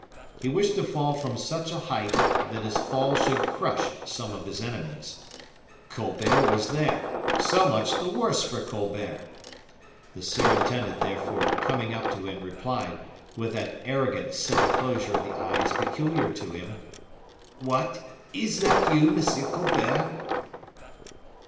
He wished to fall from such a height that his fall should crush some of his enemies. Colbert was there so much the worse for Colbert. The surintendant, therefore, coming up to him, replied, with that arrogant semi closure of the eyes peculiar to him "What! is that you, M. Colbert?"